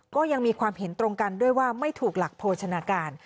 ก็ยังมีความเห็นตรงกันด้วยว่าไม่ถูกหลักโภชนาการ